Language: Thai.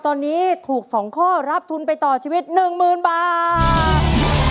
ตอนนี้ถูกสองข้อรับทุนไปต่อชีวิตหนึ่งหมื่นบาท